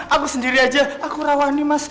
aku sendiri aja aku rawani mas